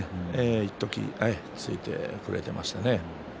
いっときついてくれていましたね。